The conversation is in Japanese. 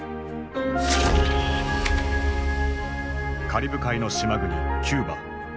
カリブ海の島国キューバ。